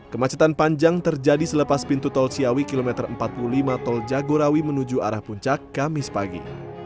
kemacetan panjang terjadi selepas pintu tol ciawi kilometer empat puluh lima tol jagorawi menuju arah puncak kamis pagi